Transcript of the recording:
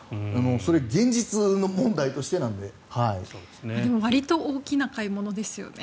それ、現実問題としてなので。わりと大きな買い物ですよね